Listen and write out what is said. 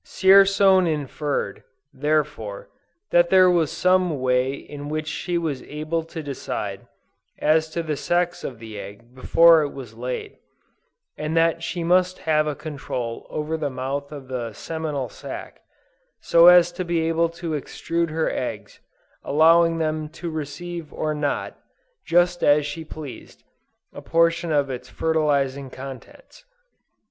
Dzierzon inferred, therefore, that there was some way in which she was able to decide as to the sex of the egg before it was laid, and that she must have a control over the mouth of the seminal sac, so as to be able to extrude her eggs, allowing them to receive or not, just as she pleased, a portion of its fertilizing contents.